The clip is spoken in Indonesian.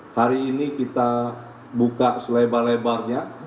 hari ini kita buka selebar lebarnya